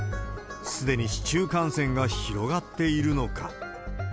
すでに市中感染が広がっているのか。